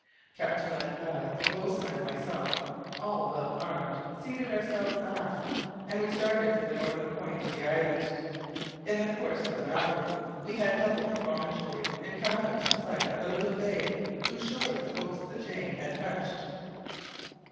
Captain Len Guy, the boatswain and myself, all well armed, seated ourselves aft, and we started for the northern point of the islet. In the course of an hour we had doubled the promontory, and come in sight of the little bay whose shores the boats of the Jane had touched.